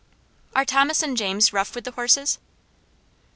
"Are Thomas and James rough with the horses?"